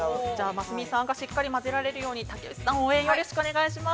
◆ますみさんがしっかり混ぜられるように竹内さん、応援よろしくお願いします。